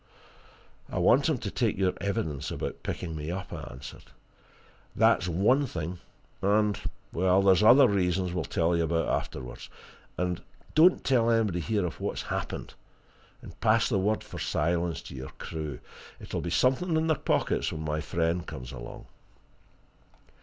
"I want him to take your evidence about picking me up," I answered. "That's one thing and there's other reasons that we'll tell you about afterwards. And don't tell anybody here of what's happened, and pass the word for silence to your crew. It'll be something in their pockets when my friend comes along."